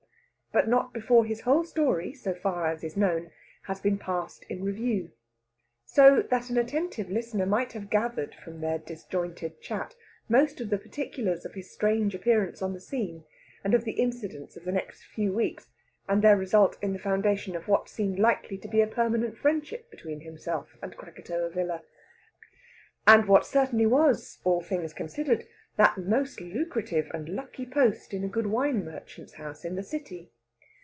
But not before his whole story, so far as is known, has been passed in review. So that an attentive listener might have gathered from their disjointed chat most of the particulars of his strange appearance on the scene, and of the incidents of the next few weeks, and their result in the foundation of what seemed likely to be a permanent friendship between himself and Krakatoa Villa, and what certainly was (all things considered) that most lucrative and lucky post in a good wine merchant's house in the City.